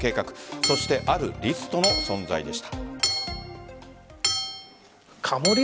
そして、あるリストの存在でした。